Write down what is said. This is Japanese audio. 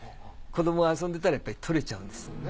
子どもが遊んでいたら取れちゃうんです。